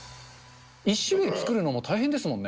１種類作るのも大変ですもんね。